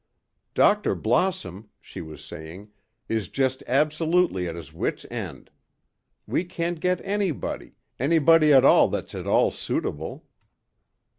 "Dr. Blossom," she was saying, "is just absolutely at his wits' end. We can't get anybody ... anybody at all that's at all suitable."